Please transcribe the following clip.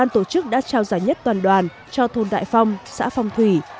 trao giải nhất toàn đoàn cho thôn đại phong xã phong thủy